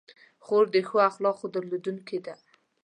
خور د ښو اخلاقو درلودونکې ده.